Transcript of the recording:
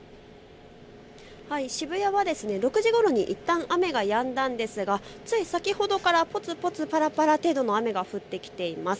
渋谷は６時ごろにいったん雨はやんだんですがつい先ほどからぽつぽつ、ぱらぱら程度の雨が降ってきています。